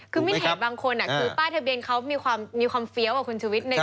คือมิ้นเห็นบางคนคือป้ายทะเบียนเขามีความเฟี้ยวคุณชุวิต